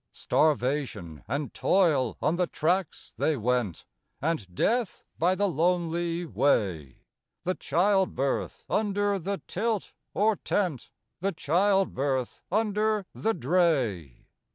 Starvation and toil on the tracks they went, And death by the lonely way; The childbirth under the tilt or tent, The childbirth under the dray!